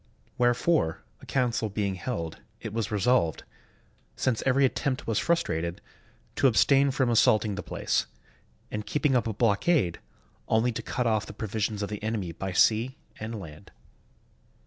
Wherefore, a council being held, it was resolved, since every attempt was frustrated, to abstain from assaulting the place, and keeping up a blockade, only to cut off the provisions of the enemy by sea and land.